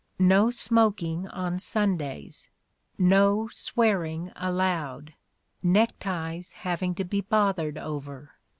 No smoking on Sundays! No "swearing" allowed! Neckties having to be bothered over!